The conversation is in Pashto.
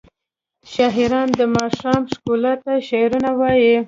شاعران د ماښام ښکلا ته شعرونه وايي.